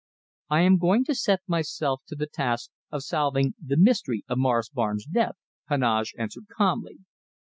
"I am going to set myself the task of solving the mystery of Morris Barnes' death," Heneage answered calmly.